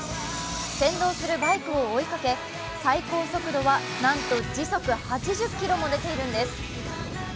先導するバイクを追いかけ最高速度はなんと時速８０キロも出ているんです。